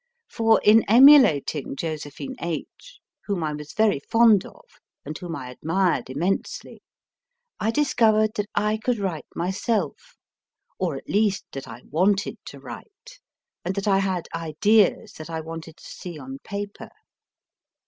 For in emulating Josephine H , whom I was very fond of, and whom I admired immensely, I discovered that I could write myself, or at least that I wanted to write, and that I had ideas that I wanted to see on paper.